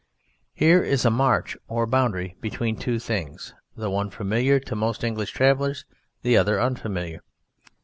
Here is a march or boundary between two things, the one familiar to most English travellers, the other unfamiliar.